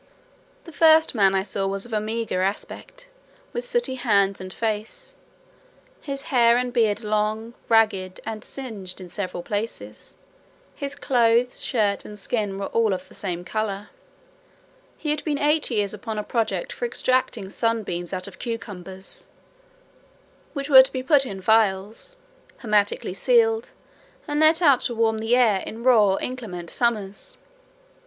The first man I saw was of a meagre aspect, with sooty hands and face, his hair and beard long, ragged, and singed in several places. His clothes, shirt, and skin, were all of the same colour. He had been eight years upon a project for extracting sunbeams out of cucumbers, which were to be put in phials hermetically sealed, and let out to warm the air in raw inclement summers.